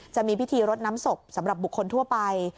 จะมีพิธีรดน้ำศพสำหรับบุคคลทั่วไป